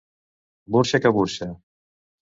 Burxa que burxa.